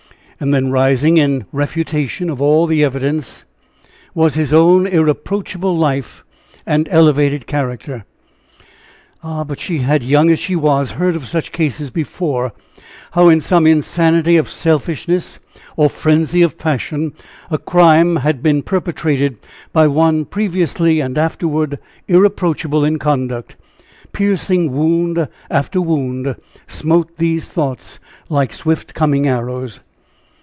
And then rising, in refutation of all this evidence, was his own irreproachable life and elevated character. Ah! but she had, young, as she was, heard of such cases before how in some insanity of selfishness or frenzy of passion, a crime had been perpetrated by one previously and afterward irreproachable in conduct. Piercing wound after wound smote these thoughts like swift coming arrows.